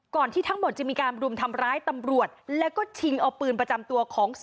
ที่ทั้งหมดจะมีการรุมทำร้ายตำรวจแล้วก็ชิงเอาปืนประจำตัวของ